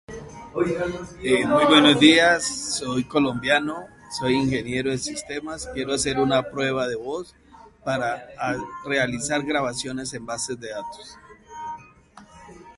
Nació en Argentina de padres uruguayos, en el barrio de Almagro, Buenos Aires.